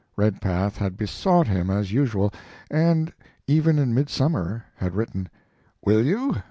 Redpath had besought him as usual, and even in midsummer had written: "Will you?